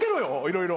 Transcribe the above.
色々。